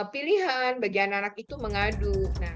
pilihan bagi anak anak itu mengadu